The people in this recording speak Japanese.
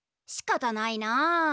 しかたないな。